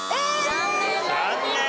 残念！